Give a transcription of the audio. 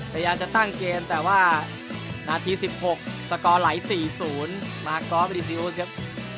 พยายามจะตั้งเกมแต่ว่านาทีสิบหกสกอร์ไหลสี่ศูนย์มากรอบดีซีฟูสครับ